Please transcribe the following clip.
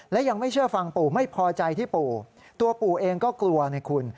และยังไม่เชื่อฟังปู่ไม่พอใจที่ปู่ตัวปู่เองก็กลัวไงคุณ